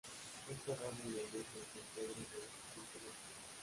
Fue enterrado en la Iglesia de San Pedro de Canterbury.